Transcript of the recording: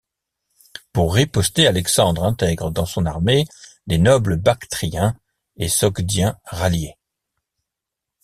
Pour riposter, Alexandre intègre dans son armée des nobles bactriens et sogdiens ralliés.